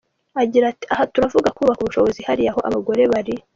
Agira ati “Aha turavuga kubaka ubushobozi hariya aho abagore bari.